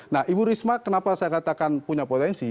nah ibu risma kenapa saya katakan punya potensi